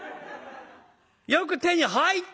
よく手に入ったね。